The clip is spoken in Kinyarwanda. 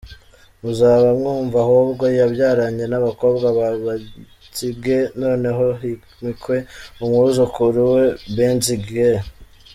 Muzaba mwunva ahubwo yabyaranye nabakobwa ba Benzinge noneho himikwe umwuzukuru wa benzinge